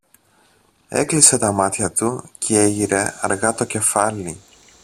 Έκλεισε τα μάτια του κι έγειρε αργά το κεφάλι.